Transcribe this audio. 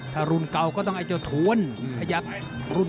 ถ้ารุ่นเก่าก็ต้องพูดทวน